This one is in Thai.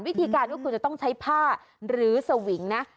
วิธีการก็คือจะต้องใช้ผ้าหรือสวิงนะ